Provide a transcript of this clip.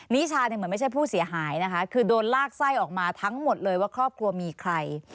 นิชาเนี่ยเหมือนไม่ใช่ผู้เสียหายนะคะคือโดนลากไส้ออกมาทั้งหมดเลยว่าครอบครัวมีใคร